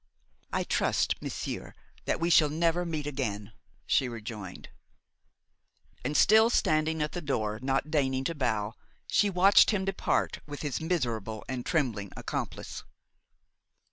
"I trust, monsieur, that we shall never meet again," she rejoined. And still standing at the door, not deigning to bow, she watched him depart with his miserable and trembling accomplice.